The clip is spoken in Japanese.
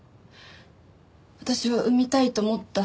私は産みたいと思った。